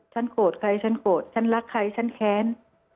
โกรธใครฉันโกรธฉันรักใครฉันแค้น